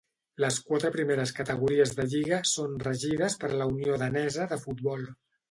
Les quatre primeres categories de lliga són regides per la Unió Danesa de Futbol.